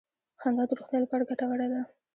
• خندا د روغتیا لپاره ګټوره ده.